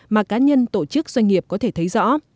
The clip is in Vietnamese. mà cá nhân tổ chức doanh nghiệp có thể thấy rõ